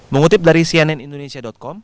mengutip dari cnnindonesia com